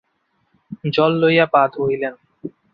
জল লইয়া পা ধুইলেন।